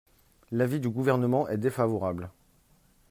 L’avis du Gouvernement est défavorable.